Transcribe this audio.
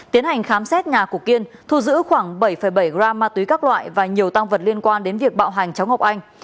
tiến hành khám xét nhà của kiên thu giữ khoảng bảy bảy gram ma túy các loại và nhiều tăng vật liên quan đến việc bạo hành cháu ngọc anh